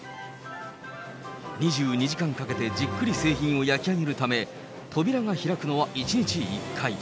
２２時間かけてじっくり製品を焼き上げるため、扉が開くのは１日１回。